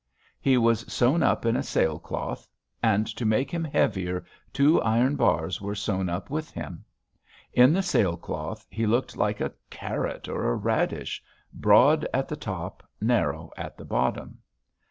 He was sewn up in sail cloth, and to make him heavier two iron bars were sewn up with him. In the sail cloth he looked like a carrot or a radish, broad at the top, narrow at the bottom....